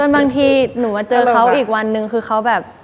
บางทีถ้าอาจาเขาอีกวันนึงคือเค้าแบบ